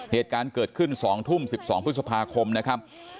เหตุการณ์เกิดขึ้น๒ทุ่ม๑๒พฤษภาคมนะครับ